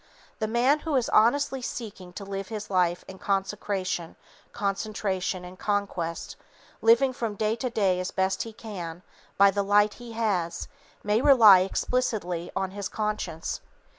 The man who is honestly seeking to live his life in Consecration, Concentration and Conquest, living from day to day as best he can, by the light he has, may rely explicitly on his Conscience.